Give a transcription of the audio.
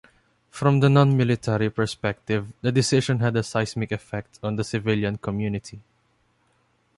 From the non-military perspective, the decision had a seismic effect on the civilian community.